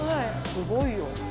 すごいよ。